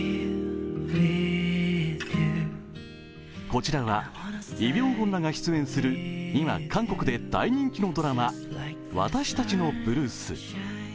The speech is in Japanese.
こちらはイ・ビョンホンらが出演する今、韓国で大人気のドラマ、「私たちのブルース」。